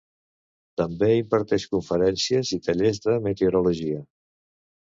També imparteix conferències i tallers de meteorologia.